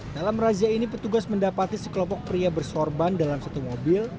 dalam razia ini petugas mendapati sekelompok pria bersorban dalam satu mobil